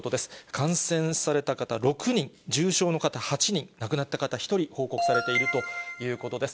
感染された方６人、重症の方８人、亡くなった方１人、報告されているということです。